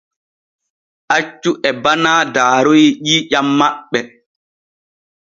Accu e bana daaroy ƴiiƴam maɓɓe.